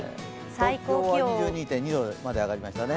東京は２２．２度まで上がりましたね。